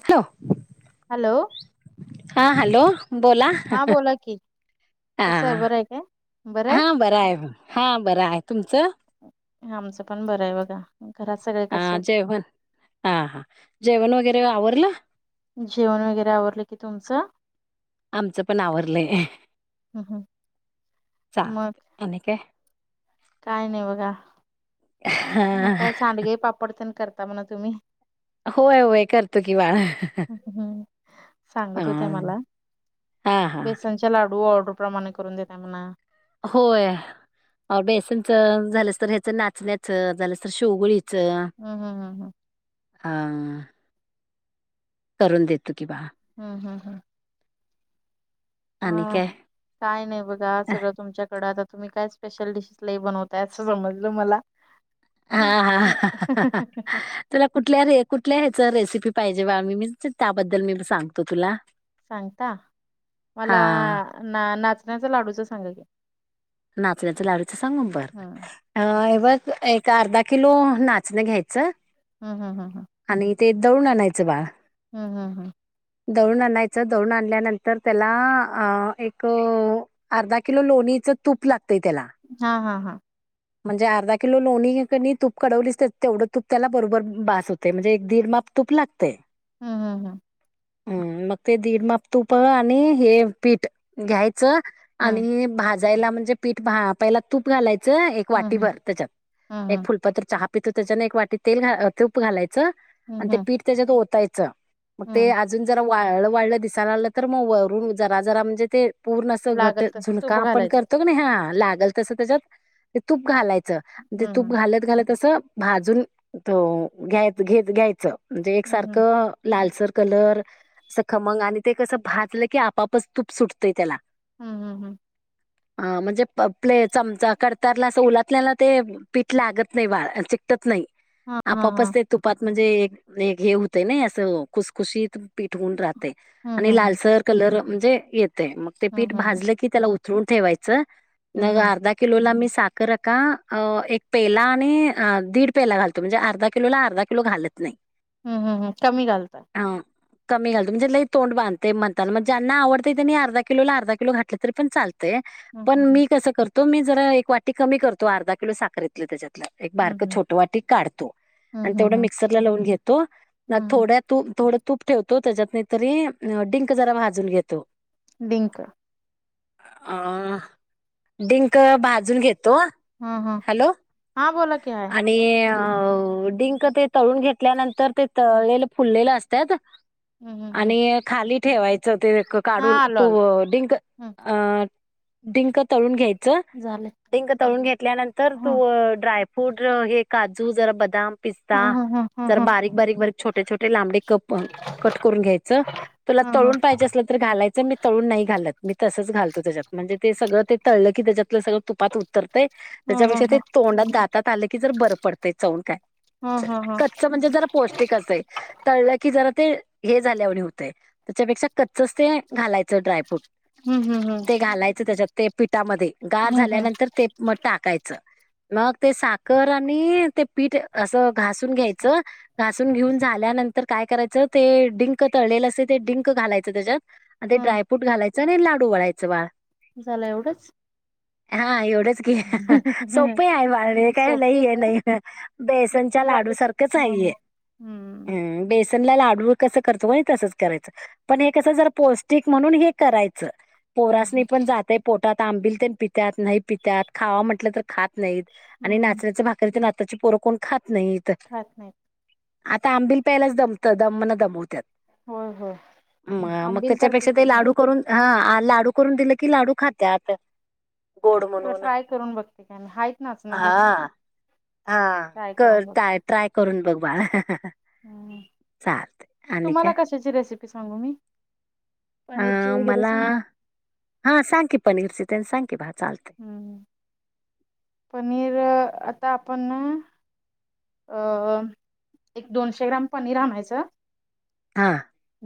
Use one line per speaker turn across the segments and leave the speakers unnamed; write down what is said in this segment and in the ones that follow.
ठेव [unintelligible]
हॅलो.
हा, हॅलो. बोला
हा
[unintelligible]
बोला की
हा.
कसं आहे बरं आहे काय
हा बरं हाय. हा बरं हाय. तुमचं?
आमचं पण बरं आहे बघा घरात सगळे कसे
हा जेवण हा हा जेवण वगैरे आवरलं?
जेवण वगैरे आवरलं की तुमचं?
आमचं पण आवरलंय
हं हं.
चा
मग
आणि काय?
काय नाही बघा मग
हा
काय सांडगे पापडपण करता म्हणा तुम्ही
होय होय करते की वा
हं हं. सांगत होत्या मला
हा
बेसन लाडू ऑर्डर प्रमाणे करून देतात ना
होय. औ बेसनच झालंस तर ह्याच नाचण्याचं झालंस तर शेवगुळीच.
हमम हम हम
हा करून देतो की बा
हम हम हम
आणि
हा
काय
काय नाही बघा सगळं तुमच्याकडं आता तुम्ही काय स्पेशल डिशेसलय बनवताय असं समजलं मला [inaudible]
हा हा तुला कुठल्या र कुठल्या ह्याच रेसिपी पाहिजे बा मी त्याबद्दल मी सांगतो तुला
सांगता
हा
मला ना नाचणीच्या लाडूच सांगा
नाचणीच्या लाडूचं सांगून
हम्म
म्हणता अ हे बघ एक अर्धा किलो नाचणी घ्यायचं
हमम हम हम
आणि ते दळून आणायचं बाळ
हम हम हम
दळूण आणायचं दळूण आणल्यानंतर त्याला अ एक अर्धा किलो लोणीचं तूप लागतंय त्याला
हा हा हा
म्हणजे अर्धा किलो लोणी कनी तूप कडवलीच तेवढं तूप त्याला बरोबर बास होत. ते म्हणजे एक दीड माप तूप लागतेय.
हम हम हम
हम्म मग ते दीड माप तुप आणि हे पीठ घ्यायचं
हम्म
आणि भाजायला म्हणजे पीठ भा पहिला तूप घालायचं वाटी
हम्म हम्म
भर त्याच्यात
हम्म
एक फुलपत्र चहा पितो त्याच्याने एक वाटी तेल घा तूप घालायचं आणि
हम्म हम्म
ते
हम्म
पीठ त्याच्यात ओतायचं मग ते
हम्म
अजून जरा वाळ वाढलं दिसन आलं तर मग वरून जरा जरा म्हणजे ते पूर्ण असं घट
लागल तसं
झुणका
तूप
आपण
घालायचं
करतो का नाही हा लागल तस त्याच्यात. ते तूप घालायचं ते
हम्म
तूप
हम्म
घालत घालत असं भाजून त घ्याय घेत घ्यायचं म्हणजे
हम्म
एकसारखं लालसर कलर अस खमंग आणि ते कसं भजलं की आपापच तूप सुटतंय त्याला
हम्म हम्म हम्म
हा म्हणजे प्ले चमचा कर तारला असं उलाटल्याना ते पीठ लागतं नाही चिटकत नाही
हा हा हा
आपोआपच ते तुपात म्हणजे हे होत ना असं? खुसखुशीत पिठ होवून राहतय
हम्म
आणि
हम्म
लालसर कलर म्हणजे येतय. मग ते पीठ
हम्म हम्म हम्म
भाजलं की त्याला उतरवून ठेवायच.
हम्म हम्म
मग अर्धा किलोला मी - साखर का? एक पेला आणि दीड पेला घालतो. म्हणजे अर्धा किलोला अर्धा किलो घालत- घालत नाही.
हम्म हम् हम्. कमी घालता.
अ कमी घालतो. म्हणजे लय तोंड बांधते म्हनताना मग ज्यांना आवडतय त्यांनी अर्धा किलोला अर्धा किलो घातलं तरी पण चालंतय.
हम्म
पण
हम्म
मी कसं करतो, मी जरा एक वाटी कमी करतो अर्धा किलो साखरेतल त्याच्यात- एक बारक
हम्म
छोट वाटी काढतो. आणि
हम्म
तेवढ
हम्म हम्म
मिक्सर ला लावून घेतो. मग
हम्म
थोड्यात - तू -थोडं तूप ठेवतो त्याच्यात, नाही तरी डिंक जरा भाजून घेतो.
डिंक.
अ- डिंक भाजून घेतो-
हम हम.
हॅलो
हा बोला की आहे.
आणि डिंक ते तळून घेतल्यानंतर ते
हम्म
तळलेल फुललेलं असत्यात.
हम्म हम्म हम्म
आणि खाली ठेवायचं ते क
हा
काढून
आलो आलो
तो डिंक.
हम्म
अ- डिंक तळून घ्यायचं-
झाल.
डिंक तळून घेतल्यानंतर तू ड्रायफ्रूट हे काजू जरा बदाम- पिस्ता
हम्म हम्म हम्म हम्म
जरा बारीक बारीक बारीक छोटे छोटे लांबडे कप कट करून घ्यायचं- तुला
हम्म हम्म
तळून पाहिजे असलं तर घालायचं. मी तळून नाही घालत. मी तसच घालतो त्याच्यात म्हणजे ते सगळं ते- तळल की त्याच्यातल सगळ तुपात- उतरतय.
हम्म हम्म
त्याच्यापेक्षा ते तोंडात दातात आलं कि जरा बरं पडतंय चौन खायाय.
हा हा हा
कच्च म्हणजे जरा पौष्टिक असतय. तळलं की जरा ते हे झाल्यावाणी होतंय. त्याच्यापेक्षा कच्चच ते घालायचं ड्रायफ्रूट.
हम्म हम्म हम्म
ते घालायचं त्याच्यात ते पिठामध्ये. गार
हम्म
झाल्यानंतर ते- टाकायचं मग ते साखर आणि ते- पीठ असं घासून
हम्म.
घ्यायचं. घासून घेऊन झाल्यानंतर- तर काय करायचं? ते डिंक तळलेलं असते ते डिंक घालायचं त्याच्यात. आणि ते
हम्म
ड्राय- फ्रुट घालायचं आणि लाडू वळायचं बाळ.
झालं एवढंच?
हा एवढंच. सोप आहे बाळ, हे काय लई
सोपे
हे
आहे
नाही बेसनच्या
बेसन
लाडू सारखंच आहे
हम्म
हे. हम्म. बेसनला लाडूला कसं करतो? म तसच करायचं. पण हे कस जरा पौष्टिक म्हणून हे करायचं.
हम्म
पोरास्नी
हम्म
पण जातय पोटात. आंबिल तेण पितात नाही पितात खावा म्हटलं तर खात- नाहीत. आणि
हम्म
नाचण्याच्या भाकरी तर आताची पोरं कोण खात नाहीत.
खात नाहीत.
आता आंबिल प्यायलाच दमतं दमण दमवत्यात.
होय होय
म मग
आंबिल तर
त्याच्यापेक्षा
पितच
ते
नाहीत
लाडू करून- हा. लाडू करून दिलं की लाडू खात्यात. गोड
तर
म्हणून
ट्राय करून बघते. कारन हायेत नाचण घरी.
हा हा.
ट्राय
कर
करून बघते
टय ट्राय करून बघ बाळा.
हम्म
चालत आणि काय?
तुम्हाला कशाची रेसिपी सांगू मी? पनीरची वगैरे सांगा.
हां. सांग की पनीरची ती सांग की भा चालत.
हम्म पनीर आता आपण अ -एक दोनशे ग्राम पनीर आणायचं.
हां.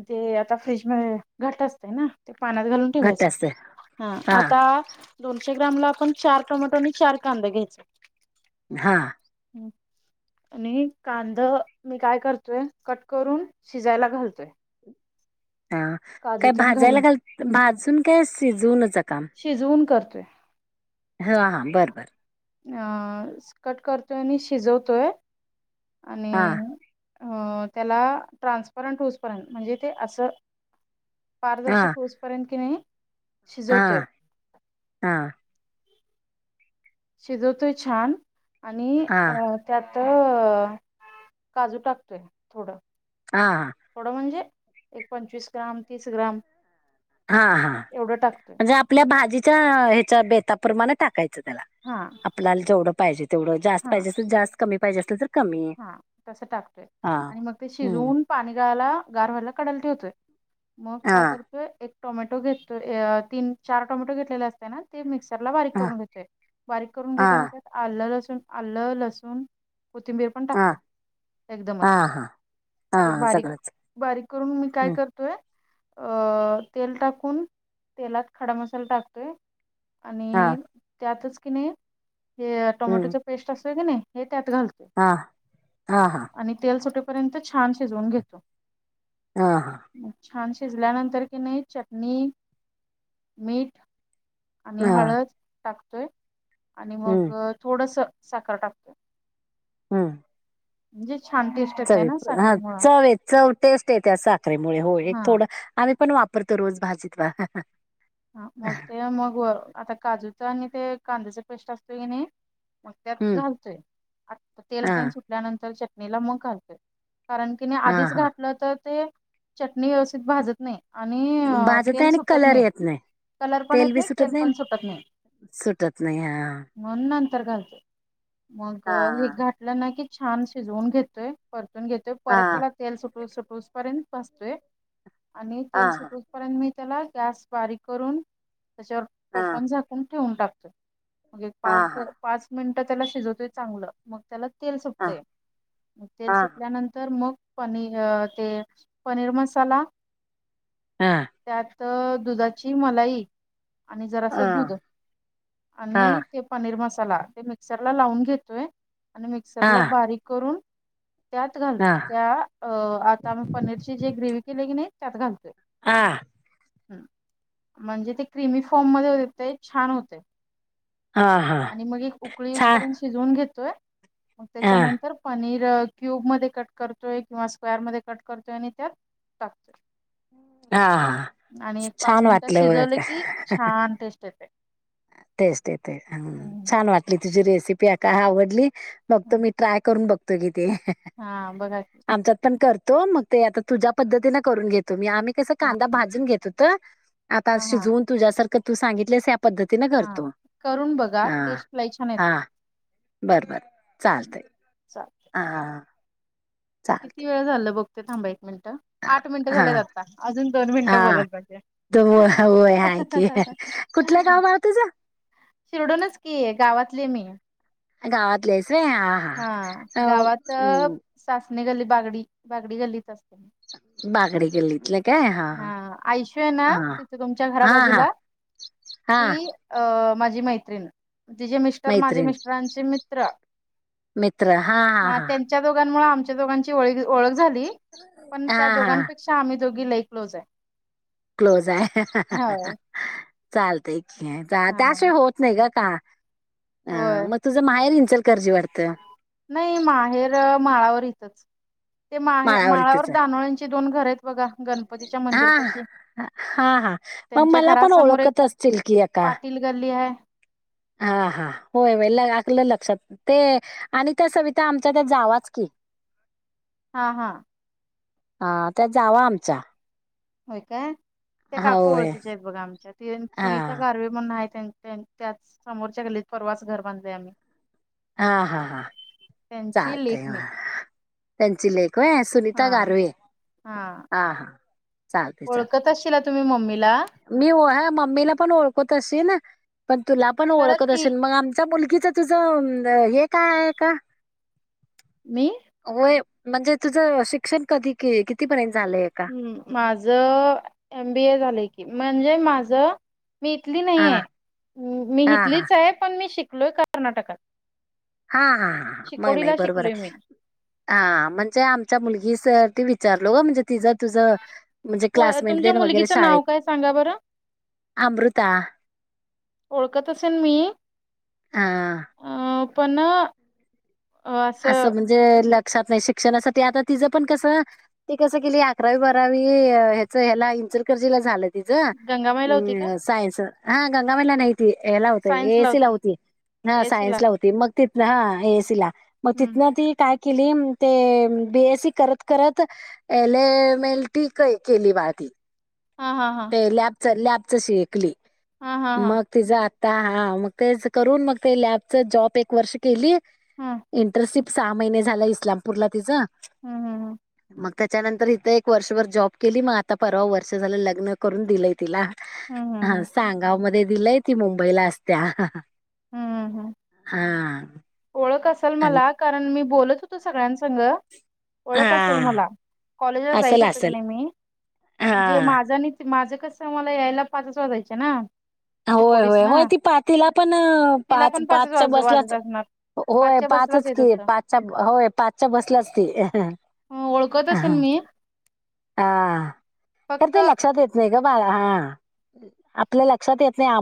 ते आता फ्रीज मध्ये घट असतय ना. ते पाण्यात घालून
घट्ट
ठेवायच.
असते
हा आता दोनशे ग्रामला आपण चार टोमॅटो आणि चार कांद घ्यायच.
हा.
आणि कांद मी काय करतोय? कट करून शिजायला घालतोय.
हा. काय
काजूतन
भाजायला
घालून
घाल, भाजून काय शिजवून नचं काम
शिजवून करतेय.
हां हां. बरं बरं.
अ -कट करतोय आणि शिजवतोय. आणि
हा.
अ त्याला ट्रान्सपरंट होस पर्यंत. म्हणजे ते असं
हा
पारदर्शक हुसपर्यंत किनी
हा, हा.
शिजवतोय छान. आणि
हा
अ त्यात काजू टाकतोय. थोडं.
हा हा.
थोडं म्हणजे? एक पंचवीस ग्राम. तीस ग्राम.
हा हा.
एवढं टाकतोय
म्हणजे आपल्या भाजीच्या ह्याच्या बेताप्रमाणे टाकायचं त्याला.
हा.
आपल्याला जेवढं पाहिजे तेवढं. जास्त
हा
पाहिजे असेल जास्त. कमी पाहिजे असेल तर कमी
हा तस टाकतोय.
हा
आणि मग ते
हम्म
शिजवून पाणी गाळायला, गार व्हायला कढला ठेवतोय. मग
हा
काय करतोय एक टोमॅटो घेतोय अ तीन चार टोमॅटो घेतलेले असतेना? ते मिक्सरला बारीक
हा
करून घेतोय. बारीक करून
हा
घेताना त्या आलं लसूण, आलं, लसूण, कोथिंबीर पण
हा
टाकते.
हा
एकदमच.
हा
ते
हा
बारीक,
सगळंच
बारीक करून मी काय
हम्म
करतोय? अ तेल टाकून. तेलात खडा मसाला टाकतोय.
हा
आणि त्यातच किनी, हे टोमॅटोच पेस्ट असोत की नाही. हे त्यात घालतोय.
हां. हां. हां.
आणि तेल सुटेपर्यंत छान शिजवून घेतो.
ह ह.
छान शिजल्यानंतर की नाही चटणी, मीठ आणि
हा
हळद टाकतोय. आणि मग
हम्म
थोडस, साखर टाकतोय.
हम्म.
म्हणजे छान टेस्ट येते
चवी
ना
हा
साखरेमुळ
चव ये चव टेस्ट येत्या साखरेमुळे. हो एक
हा
थोडं आम्ही पण वाप परतो रोज भाजीत बा.
ह मग ते मग व. आता काजूच आणि ते कांद्याचा पेस्ट असतोय की नाही, मग त्यात
हम्म
घालतोय. आ तेल
हा
त्यान सुटल्यानंतर चटणीला मग घालतोय. कारण कि नाही
हा
आधीच
हा
घातलं तर ते, चटणी व्यवस्थित भाजत नाही. आणि
भाजत नाही
तेल
आणि
सुटत
कलर
नाही.
येत
कलर पण येत नाही. तेल पण सुटत नाही.
सुटत नाही हा
म्हणून नंतर घालते. मग हे
हा
घा लं नाही की छान शिजवून घेतोय परतून घेतोय
हा
परत त्याला तेल सुट सुटुसपर्यंत भाजतोय. आणि
हा
तेल सुटपर्यंत मी त्याला गॅस बारीक करून त्याच्यावर
हा
टोपन झाकून ठेवून टाकतोय मग एक
हा
पाच
हा
पाच मिनिट त्याला शिजवतोय चांगलं मग त्याला तेल
हा
सुटतय मग तेल
हा
सुटल्यानंतर मग पनीर ते पनीर मसाला
हा
त्यात दुधाची मलाई आणि जरास दूध
हा
आणि ते पनीर मसाला ते मिक्सरला लावून घेतोय आणि मिक्सरला बारीक करून त्यात घाल
हा
त्या आता म पनीरची जे ग्रेवी केले की नाही त्यात घालतोय.
हां.
हम्म. म्हणजे ते क्रिमी फॉर्म मध्ये होते ते छान होते.
हा हा
आणि मग एक
छान
उकळीजपर्यंत शिजवून घेतोय मग
हा
त्याच्यानंतर पनीर क्यूब मध्ये कट करतोय किंवा स्क्वेर मध्ये कट करतोय आणि त्यात टाकतोय.
हा.
आणि एक पाच
छान
मिनिटात
वाटलं
शिजवले की
बघ
छान टेस्ट येते.
टेस्ट येते छान वाटली तुझी रेसिपी आका आवडली बघ तो मी ट्राय करून बघतो. तो किती.
हा बघाकी.
आमच्यात पण करतो मग ते आता तुझ्या पद्धतीनें करून घेतो मी आम्ही कस
हा
कांदा भाजून घेतो तर आता
हा हा
शिजवून तुझ्यासारख तू सांगितलेस या पद्धतीने
हा
करतो
करून बघा
हा
टेस्ट लाई छान
हा
येते.
बर बर चालत.
चालतंय
हा हां.
किती वेळ झालं बघतो थांबा एक मिनिटं आठ मिनिटं
हा
झालेत आता अजून दोन मिनिटं बोलला
हा
पाहिजे.
होय होय आहे की, कुठलं गावं बाळा तुझं
शिरडूनच की आहे गावातली मी
गावातली आहेस व्हयं. हा हा हा अ.
सासणी गल्ली बागडी बागडी गल्लीत असते मी.
बागडे गल्लीतलं काय
हा आयुशु आहे ना
हा
तिथं तुमच्या घरा
हा हा हा
बाजूला
हा
ती अ माझी मैत्रीण. तिेचे मिस्टर माझे
मैत्रीण
मिस्टरांचे मित्र हा त्या त्या दोघांमुळे आमच्या दोघांची ओ ओळख झाली पण त्या
हा हा
दोघांपे तस्या आम्ही दोघी लई क्लोज आहे.
क्लोज आहे
होय
चालत की त्याशिवाय होत नाही गं का अ
व्हयं.
मग तुझं माहेर इचलकरंजी वाटतं?
नाही माहेर माळावर इथंच. ते माहे माळावर
माळावरतीच
दानवेची दोन घर आहेत बघा गणपतीच्या
हा
मंदिर पाशी
हा हा मग मला पण
एक
ओळखत असतील की एका
पाटील गल्ली आहे.
हा हा होय होय आलकी लक्षात ते आणि त्या सविता आमच्या त्या जावाच की
हा हा.
हा त्या जावा आमचा
होय काय त्या काकू
होय
ओळखीचे आहेत बघा आमच्या त
हा
सुनीता गारवे न्हाय त्यां त्यांन त्याच समोरच्या गल्लीत परवाचं घर बांधलय आम्ही
आ हा हा
त्यांची
चालत
लेक मी
मग त्यांची लेख व्हय सुनीता
हा.
गारवे. हा हा चालतय चाल
तशिला तुम्ही मम्मीला
मी व्हय मम्मीला पण ओळखत असीन पण तुला पण
खरं
ओळखत
ती
असीन मग आम चं मुलगीच तुझं हे काय आहे का
मी
होय म्हणजे तुझं शिक्षण कधी की कितीपर्यंत झालंय का
हंम माझं एम बी ए झालंय की म्हणजे माझं मी इथली
हा
नाहीये मी
हा हा
इथलीच आहे पण मी शिकलोय कर्नाटकात.
हा हा हा मग नाय
शिकोडीला
बरोबर
शिकलोय मी
हाय हा म्हणजे आमच्या मुलगी स ती विचारलो ओ म्हणजे तिझं तुझं म्हणजे
व
क्लासमेट
तुमच्या
देन वगैरे
मुलगीचं नाव
शाळेत
काय सांगा बरं
अमृता
ओळखत असेन मी
हा
अ पण
असं म्हणजे लक्षात नाय शिक्षणासाठी आता तिचं पण कसं ते कसं केली अकरावी बारावी ह्याच ह्याला इंचलकरजीला झालं तीच
गंगामाईला होती काय
हम् सायनस हा गंगामायला नाहीत. ती हेला होतय ए ए सी ला होती हा सायन्स ला होती मग तिथ हा ए ए सी ला म तिथन
हा
ती काय केली ते बी एस सी करत करत एल ए मेल्टी कय केली बा ती
हा हा हा
ते लॅबच लॅबच शेयकली
हा हा हा
मग तिचा आत्ता हा मग तेच करून मग ते लॅबच जॉब एक वर्ष केली
हम्म
इंटर्नशिप सहा महिने झाल इस्लामपूरला तिच
हं हं हं
मग त्याच्यानंतर इथं एक वर्षभर जॉब केली मग आता परवा वर्ष झालं लग्न करून दिलंय तिला.
हम्म हम्म
हा
हम्म
सांगाव मध्ये दिलंय ती मुंबईला असते. हा हा
हम्म हम्म.
हा हा
ओळख असल मला कारण मी बोलत होतो सगळ्यांसग ओळख असल
हा
मला कॉलेजला जाईत
असेल
होतो की
असेल
नाई मी म्हणजे
हा
माझा आणि ते माझं कस मला यायला पाच वाजायचें ना
होय
चिकोडीस
होय
ना
होय ती पा तीला पण
तिला
पाच
पण पाचच
पाचच्या
वाज
बसलाच
वाजत असणार
होय
पाचच्या
पाचचं
बसलाच येत
की
होतं
पाचच्या होय पाचच्या बसल्याच ती
अं, ओळखत असेल मी
हा तर
फक्त
ते लक्षात येत नाय ग बाळा हा आपल्या लक्षात येत नाय आ